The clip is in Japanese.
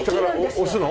押すの？